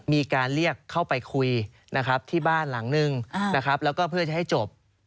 มีการเรียกเข้าไปคุยนะครับที่บ้านหลังนึงนะครับแล้วก็เพื่อจะให้จบ